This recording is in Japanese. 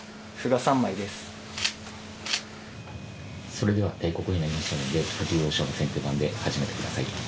それでは定刻になりましたので藤井王将の先手番で始めてください。